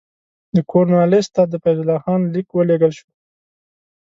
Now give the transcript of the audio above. د کورنوالیس ته د فیض الله خان لیک ولېږل شو.